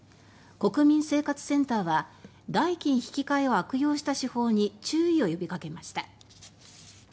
国民生活センターは代金引き換えを悪用した手法に注意を呼びかけました。